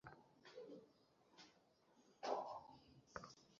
অতএব, একে আল্লাহর যমীনে চরে খেতে দাও।